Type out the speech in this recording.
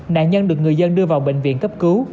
nạn nhân được người dân đưa vào bệnh viện cấp cứu